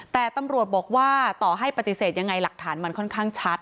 แต่ตำรวจบอกว่าต่อให้ปฏิเสธยังไงหลักฐานมันค่อนข้างชัด